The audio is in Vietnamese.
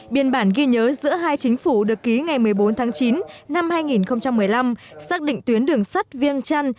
biên bản ghi nhớ giữa hai chính phủ được ký ngày một mươi bốn tháng chín năm hai nghìn một mươi năm xác định tuyến đường sắt viêng trăn